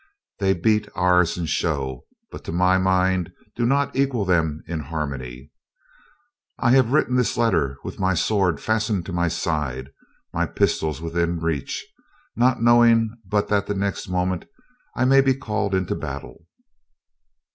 They beat ours in show, but to my mind do not equal them in harmony. I have written this letter with my sword fastened to my side, my pistols within reach, not knowing but that the next moment I may be called into battle."